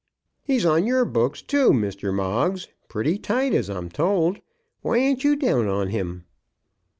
"He's on your books, too, Mr. Moggs, pretty tight, as I'm told. Why ain't you down on him?"